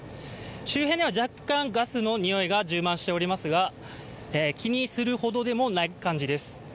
周辺には若干、ガスの臭いが充満しておりますが、気にするほどでもない感じです。